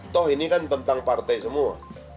toh ini kan tentang partai semua